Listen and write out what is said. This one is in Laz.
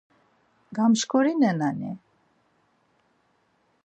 Gamşkorinenani?